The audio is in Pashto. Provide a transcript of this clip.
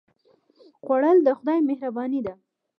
خوړل د خدای مهرباني ده